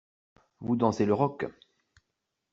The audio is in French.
Vous dansez le rock.